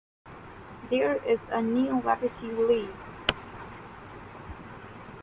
There's a New Wapiti Leagu.